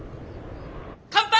乾杯！